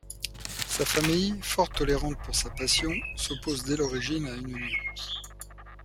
Sa famille, fort tolérante pour sa passion, s'oppose dès l'origine à une union.